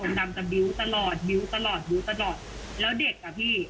องค์ดำจะบิวต์ตลอดบิวต์ตลอดบิวต์ตลอดแล้วเด็กอ่ะพี่